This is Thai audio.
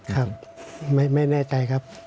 ครับไม่แน่ใจครับ